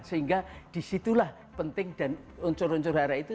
sehingga disitulah penting dan unsur unsur hara itu